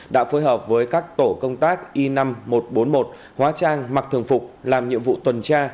đã phối hợp với các tổ công tác y năm một trăm bốn mươi một hóa trang mạc thường phục làm nhiệm vụ tuần tra